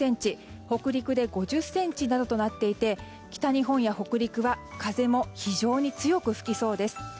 北陸で５０ｃｍなどとなっていて北日本や北陸は風も非常に強く吹きそうです。